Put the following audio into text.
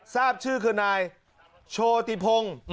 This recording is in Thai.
ทราบชื่อคือนายโชติพงศ์